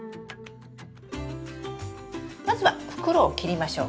まずは袋を切りましょう。